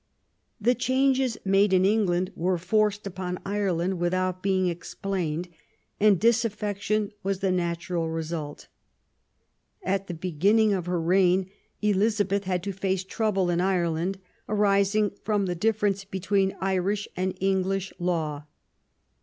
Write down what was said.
The changes made in England were forced upon Ireland without being explained; and disaffection was the natural result. At the beginning of her reign Elizabeth had to face trouble in Ireland, arising from the difference between Irish and English law.